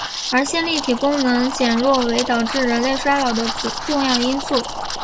而线粒体功能减弱为导致人类衰老的重要因素。